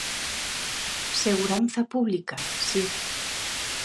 Seguranza pública, si.